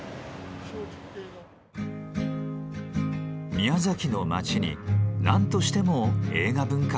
宮崎の街に何としても映画文化を残したい。